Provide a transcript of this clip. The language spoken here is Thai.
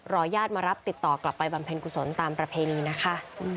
ญาติมารับติดต่อกลับไปบำเพ็ญกุศลตามประเพณีนะคะ